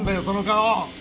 その顔！